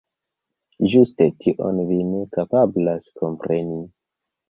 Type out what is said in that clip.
Ĝuste tion vi ne kapablas kompreni...